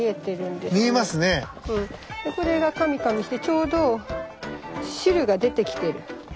でこれがカミカミしてちょうど汁が出てきてる。